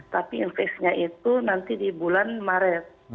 tapi investasinya itu nanti di bulan maret